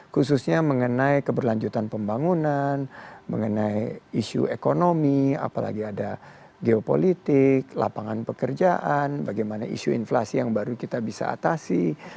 khususnya mengenai keberlanjutan pembangunan mengenai isu ekonomi apalagi ada geopolitik lapangan pekerjaan bagaimana isu inflasi yang baru kita bisa atasi